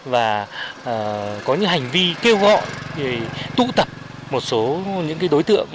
và có những hành vi kêu gọi tụ tập một số những đối tượng